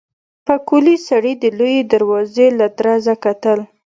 پکولي سړي د لويې دروازې له درزه کتل.